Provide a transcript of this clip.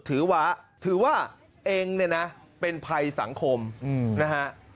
ถือว่าถือว่าเองเนี่ยนะเป็นภัยสังคมนะฮะ